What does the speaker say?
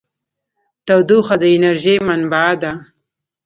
تودوخه د انرژۍ منبع ده.